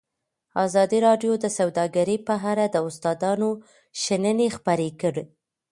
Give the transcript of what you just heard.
ازادي راډیو د سوداګري په اړه د استادانو شننې خپرې کړي.